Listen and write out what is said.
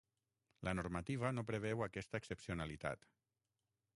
La normativa no preveu aquesta excepcionalitat.